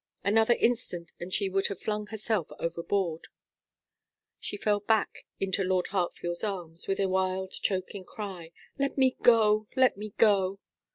Another instant and she would have flung herself overboard. She fell back into Lord Hartfield's arms, with a wild choking cry: 'Let me go! Let me go!'